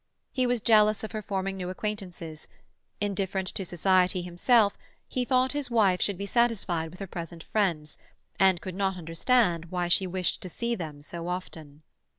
He was jealous of her forming new acquaintances; indifferent to society himself, he thought his wife should be satisfied with her present friends, and could not understand why she wished to see them so often.